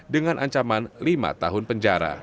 dengan ancaman lima tahun penjara